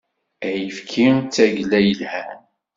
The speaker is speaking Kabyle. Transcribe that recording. Ayekfi d tagella yelhan.